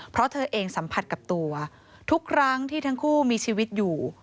เพราะเธอเองสัมผัสกับตัวทุกครั้งที่ทั้งคู่มีชีวิตอยู่